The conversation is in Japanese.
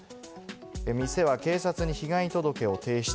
店は警察に被害届を提出。